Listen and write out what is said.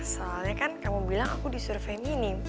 soalnya kan kamu bilang aku disuruh feminim